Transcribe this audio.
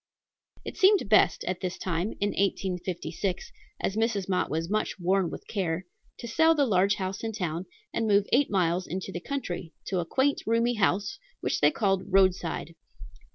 It seemed best at this time, in 1856, as Mrs. Mott was much worn with care, to sell the large house in town and move eight miles into the country, to a quaint, roomy house which they called Roadside.